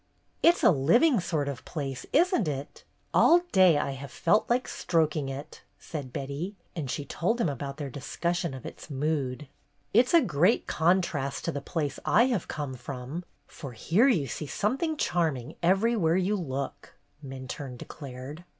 '' "It 's a living sort of place, is n't it? All day I have felt like stroking it," said Betty, and she told him about their discussion of its mood. " It 's a great contrast to the place I have come from, for here you see something charm ing everywhere you look," Minturne declared.